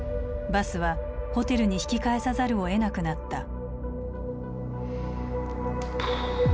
バスはホテルに引き返さざるをえなくなった。